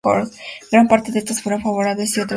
Gran parte de estas fueron favorables y otras fulminantes.